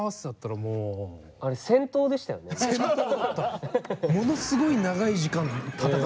ものすごい長い時間戦ってた。